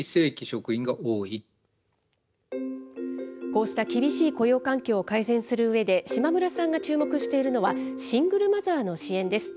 こうした厳しい雇用環境を改善するうえで、島村さんが注目しているのは、シングルマザーの支援です。